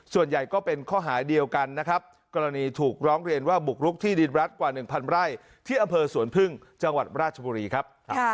ส่วนใหญ่ก็เป็นข้อหาเดียวกันนะครับกรณีถูกร้องเรียนว่าบุกรุกที่ดินรัฐกว่า๑๐๐ไร่ที่อำเภอสวนพึ่งจังหวัดราชบุรีครับ